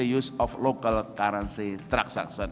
ketiga asean akan menjual keuangan dari pemerintah pemerintah